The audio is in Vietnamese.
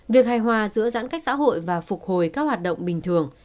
việc hài hòa giữa giãn cách xã hội và phục hồi các hoạt động bình thường